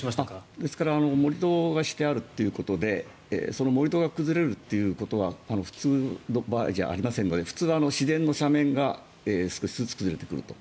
ですから盛り土がしてあるということでその盛り土が崩れるということは普通の場合、ありませんので普通は自然の斜面が少しずつ崩れてくると。